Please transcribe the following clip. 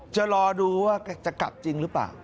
จะรอดูว่าจะกลับจริงหรือเปล่า